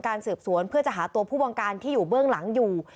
สืบสวนเพื่อจะหาตัวผู้บังการที่อยู่เบื้องหลังอยู่